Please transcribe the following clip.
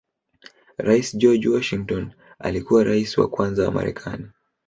Rais George Washington alikuwa Rais wa kwanza wa marekani